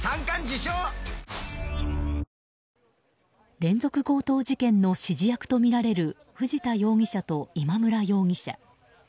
連続強盗事件の指示役とみられる藤田容疑者と今村容疑者。